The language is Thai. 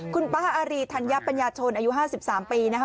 คุณป้าอารีธัญปัญญาชนอายุ๕๓ปีนะคะ